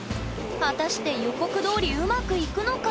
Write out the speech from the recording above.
果たして予告どおりうまくいくのか？